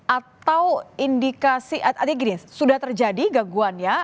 atau indikasi gini sudah terjadi gangguan ya